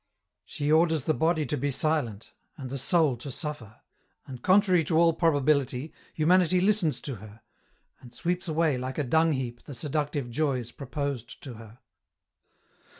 She orders the body to be silent, and the soul to suffer, and contrary to all probability, humanity listens to her, and sweeps away like a dung heap the seductive joys proposed to her.